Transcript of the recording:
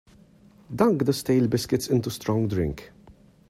Dunk the stale biscuits into strong drink.